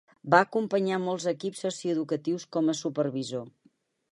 Va acompanyar molts equips socioeducatius com a supervisor.